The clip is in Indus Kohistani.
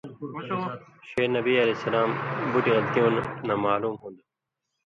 ݜے نبی علیہ السلام بُٹیۡ غلطیوں نہ معصوم ہُوۡن٘دوۡ۔